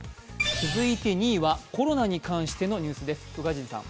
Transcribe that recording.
続いて２位はコロナに関してのニュースです。